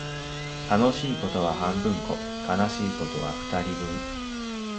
楽しいことは半分こ、悲しいことは二人分